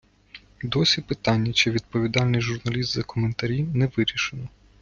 Досі питання, чи відповідальний журналіст за коментарі, не вирішено.